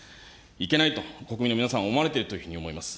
いけないと国民の皆さん、思われているというふうに思います。